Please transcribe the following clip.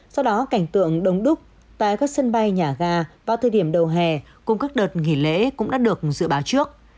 do đó cảnh tượng đông đúc tại các sân bay nhà ga vào thời điểm đầu hè cùng các đợt nghỉ lễ cũng đã được dự báo trước